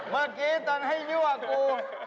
เมื่อกี้ตอนให้ยั่วกู